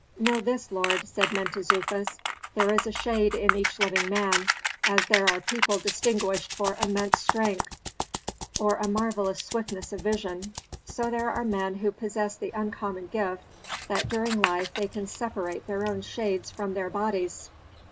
"Know this, lord," said Mentezufis. "There is a shade in each living man; as there are people distinguished for immense strength, or a marvellous swiftness of vision, so there are men who possess the uncommon gift that during life they can separate their own shades from their bodies.